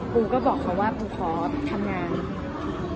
ปูก็บอกเขาว่าปูขอทำงาน